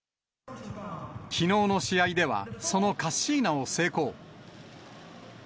きのうの試合では、そのカッシーナを成功。